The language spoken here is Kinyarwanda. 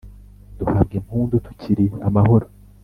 duhabwa impundu tukiri amahoro,